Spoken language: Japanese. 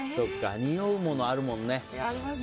におうもの、あるもんね。